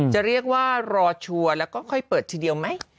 จะเรียกว่ารอชัวร์แล้วก็ค่อยเปิดทีเดียวไหม